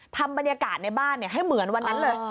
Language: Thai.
ทำบรรยากาศในบ้านให้เหมือนวันนั้นเลย